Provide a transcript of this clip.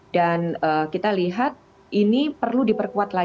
dan kita lihat ini perlu diperkuatkan